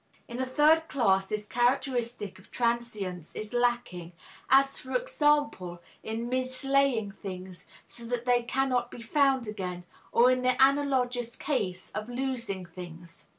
In a third class this characteristic of transience is lacking, as for example in mislaying things so that they cannot be found again, or in the analogous case of losing things.